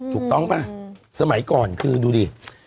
ถูกต้องป่ะสมัยก่อนคือดูดิ